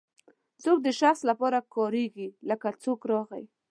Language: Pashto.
څوک د شخص لپاره کاریږي لکه څوک راغی.